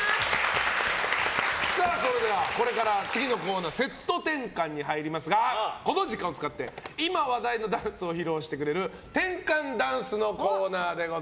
それではこれから次のコーナーのセット転換になりますがこの時間を使って今、話題のダンスを披露してくれる転換ダンスのコーナーです。